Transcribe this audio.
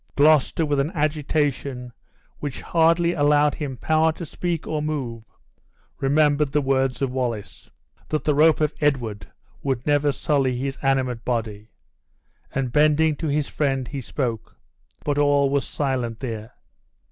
Gloucester, with an agitation which hardly allowed him power to speak or move, remembered the words of Wallace, "that the rope of Edward would never sully his animate body!" and, bending to his friend, he spoke; but all was silent there.